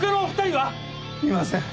いません